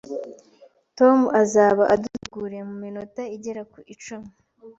Tom azaba aduteguriye muminota igera ku icumi